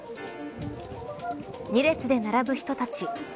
２列で並ぶ人たち。